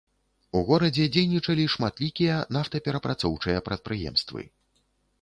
У горадзе дзейнічалі шматлікія нафтаперапрацоўчыя прадпрыемствы.